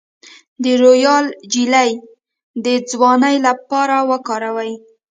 د رویال جیلی د ځوانۍ لپاره وکاروئ